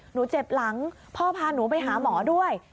เจ็บหลังพ่อพาหนูไปหาหมอด้วย